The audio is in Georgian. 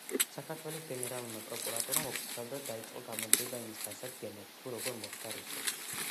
საქართველოს გენერალურმა პროკურატურამ ოფიციალურად დაიწყო გამოძიება იმის დასადგენად, თუ როგორ მოხვდა რუსეთში.